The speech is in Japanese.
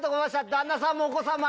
旦那さんもお子さんも。